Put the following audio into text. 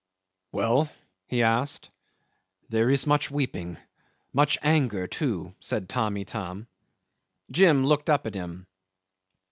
"Well?" he asked. "There is much weeping. Much anger too," said Tamb' Itam. Jim looked up at him.